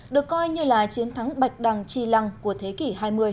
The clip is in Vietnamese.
được coi như là chiến thắng bạch đằng chi lăng của thế kỷ hai mươi